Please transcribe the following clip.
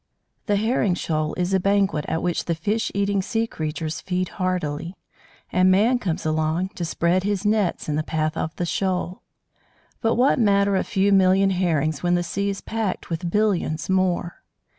The Herring shoal is a banquet at which the fish eating sea creatures feed heartily, and man comes along, to spread his nets in the path of the shoal. But what matter a few million Herrings when the sea is packed with billions more!